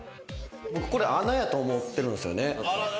僕これ穴やと思ってるんすよね。